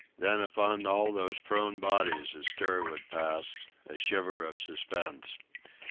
Then upon all those prone bodies a stir would pass, a shiver of suspense.